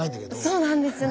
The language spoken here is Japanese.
そうなんですよね。